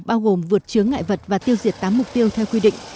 bao gồm vượt chướng ngại vật và tiêu diệt tám mục tiêu theo quy định